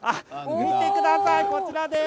見てください、こちらです。